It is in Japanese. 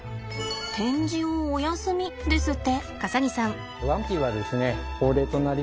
展示をお休みですって。